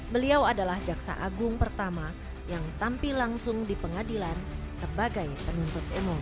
beliau adalah jaksa agung pertama yang tampil langsung di pengadilan sebagai penuntut umum